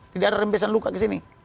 tidak ada rembesan luka ke sini